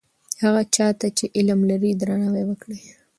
هغه چا ته چې علم لري درناوی وکړئ.